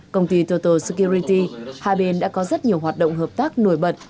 công ty toto security hai bên đã có rất nhiều hoạt động hợp tác nổi bật